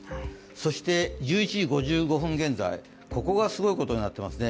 そして、１１時５５分現在、ここがすごいことになっていますね。